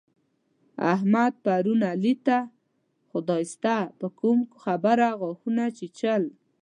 احمد پرون علي ته خداسته پر کومه خبره غاښونه چيچل.